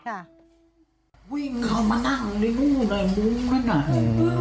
ค่ะวิ่งเข้ามานั่งในหู้ในมุมนั่นหน่อยอืม